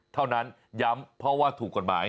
เท่านั้นย้ำเพราะว่าถูกกฎหมาย